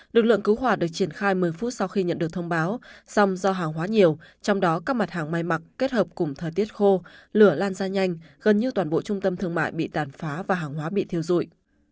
lực lượng cứu hỏa được triển khai một mươi phút sau khi nhận được thông báo song do hàng hóa nhiều trong đó các mặt hàng may mặc kết hợp cùng thời tiết khô lửa lan ra nhanh gần như toàn bộ trung tâm thương mại bị tàn phá và hàng hóa bị thiêu dụi